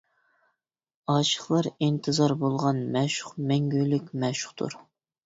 ئاشىقلار ئىنتىزار بولغان مەشۇق مەڭگۈلۈك مەشۇقتۇر.